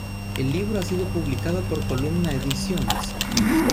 El libro ha sido publicado por Columna Edicions.